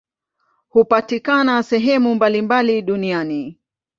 Hupatikana sehemu mbalimbali duniani.